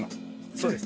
そうです。